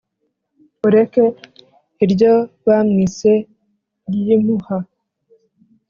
Ureke iryo bamwise ry'impuha;